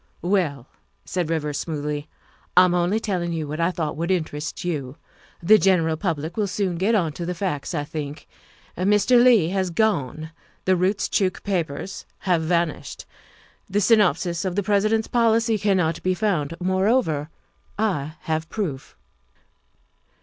" Well," said Rivers smoothly, "I'm only telling you what I thought would interest you. The general public will soon get on to the facts, I think. Mr. Leigh has gone ; the Roostchook papers have vanished ; the synop sis of the President 's policy cannot be found. Moreover, I have proof."